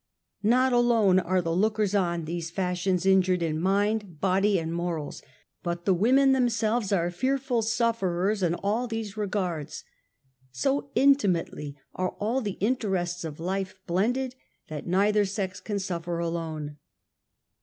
'Not alone are the lookers on these fashions injured in mind, body and morals, but the women themselves are fearful sufferers in all these regards. So inti mately are all the interests of life blended, that .neither sex can suffer alone.